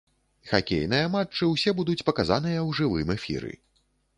Хакейныя матчы ўсе будуць паказаныя ў жывым эфіры.